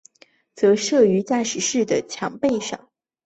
则设于驾驶室的背墙上。